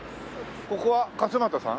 ここは勝俣さん？